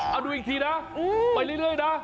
เอาดูอีกทีนะไปเรื่อยนะ